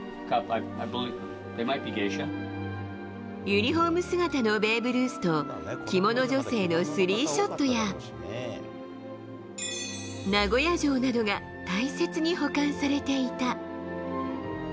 ユニホーム姿のベーブ・ルースと、着物女性のスリーショットや、名古屋城などが大切に保管されていた。